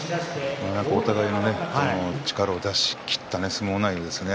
お互いの力を出し切った相撲内容ですね。